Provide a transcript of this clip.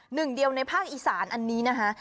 หนึ่งเดียวในภาคอีสานอันนี้นะคะ